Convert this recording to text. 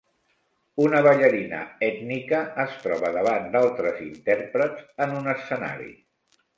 Una ballarina ètnica es troba davant d'altres intèrprets en un escenari.